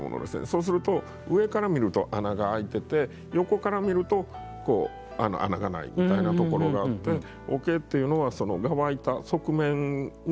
そうすると上から見ると穴が開いてて横から見ると穴がないみたいなところがあって桶っていうのは側板側面に。